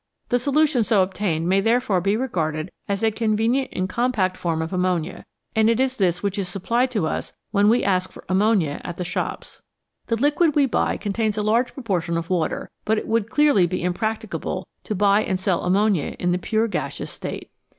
The solution so obtained may therefore be regarded as a convenient and compact form of ammonia, and it is this which is supplied to us when we ask for ammonia at 90 ACIDS AND ALKALIS the shops. The liquid we buy contains a large proportion of water, but it would clearly be impracticable to buy and sell ammonia in the pure gaseous state.